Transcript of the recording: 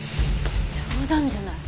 冗談じゃない。